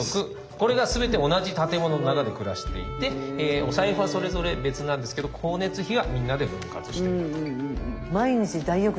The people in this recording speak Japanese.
これが全て同じ建物の中で暮らしていてお財布はそれぞれ別なんですけど光熱費はみんなで分割していると。